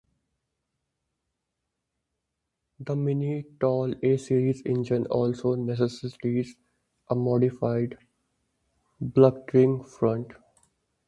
The Mini's tall A-series engine also necessitated a modified, bulkier front.